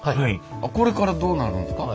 これからどうなるんですか？